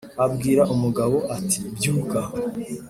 Abwira umugabo ati "Byuka,